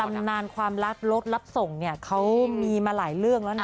นานความลับรถรับส่งเนี่ยเขามีมาหลายเรื่องแล้วนะ